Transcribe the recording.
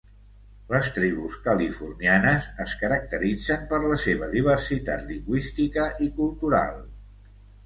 Les tribus californianes es caracteritzen per la seva diversitat lingüística i cultural.